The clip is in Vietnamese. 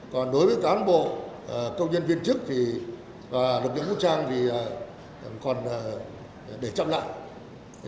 còn đối với cán bộ công nhân viên chức thì lực lượng vũ trang thì còn để chậm lại